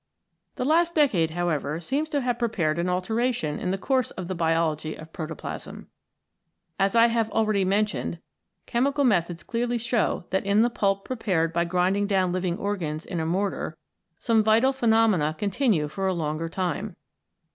The last decade, however, seems to have pre pared an alteration in the course of the biology of protoplasm. As I have already mentioned, chemical methods clearly show that in the pulp prepared by grinding down living organs in a mortar some vital phenomena continue for a longer time.